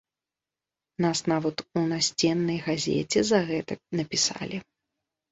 Нас нават у насценнай газеце за гэта напісалі.